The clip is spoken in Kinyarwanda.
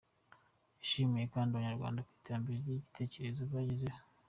Yashimiye kandi Abanyarwanda ku iterambere ry’icyitegererezo bagezeho.